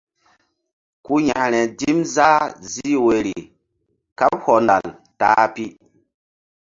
Ku yȩkre dim zah zih wori kaɓ hɔndal ta-a pi.